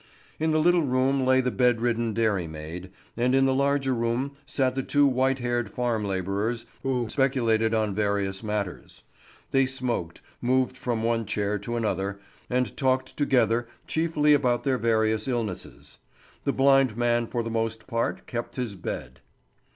In the little room lay the bedridden dairymaid; and in the larger room sat the two white haired farm labourers and speculated on various matters. They smoked, moved from one chair to another, and talked together chiefly about their various illnesses. The blind man for the most part kept his bed.